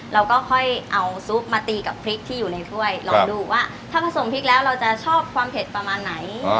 เราก็ค่อยเอาซุปมาตีกับพริกที่อยู่ในถ้วยลองดูว่าถ้าผสมพริกแล้วเราจะชอบความเผ็ดประมาณไหน